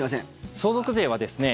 相続税はですね